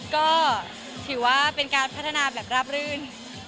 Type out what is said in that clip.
ก็ถือว่าเป็นการพัฒนาแบบราบรื่น